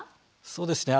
そうですね